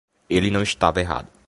Ele não estava errado